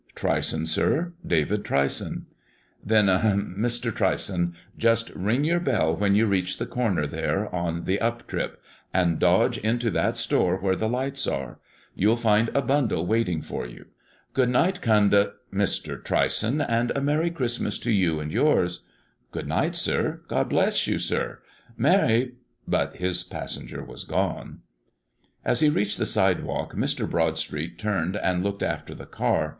"Tryson, sir; David Tryson." "Then, ahem! Mr. Tryson just ring your bell when you reach the corner there, on the up trip; and dodge into that store where the lights are. You'll find a bundle waiting for you. Good night conduct Mr. Tryson, and a Merry Christmas to you and yours!" "Good night, sir! God bless you, sir! Merry" but his passenger was gone. As he reached the sidewalk, Mr. Broadstreet turned and looked after the car.